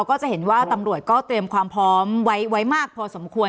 ก็จะเห็นว่าตำรวจก็เตรียมความพร้อมไว้มากพอสมควร